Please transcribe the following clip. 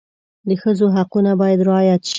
د ښځو حقونه باید رعایت شي.